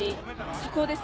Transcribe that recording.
速報です。